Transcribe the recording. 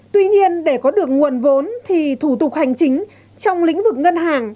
tuy nhiên để có được nguồn vốn thì thủ tục hành chính trong lĩnh vực ngân hàng